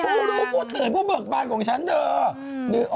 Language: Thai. ผู้รู้ผู้ตื่นผู้เบิกบานของฉันเถอะ